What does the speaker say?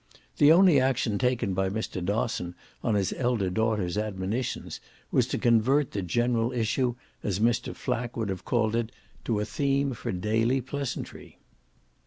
The only action taken by Mr. Dosson on his elder daughter's admonitions was to convert the general issue, as Mr. Flack would have called it, to a theme for daily pleasantry.